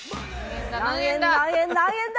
何円何円何円だ？